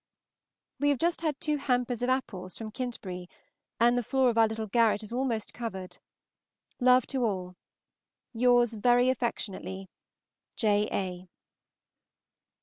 We have just had two hampers of apples from Kintbury, and the floor of our little garret is almost covered. Love to all. Yours very affectionately, J. A.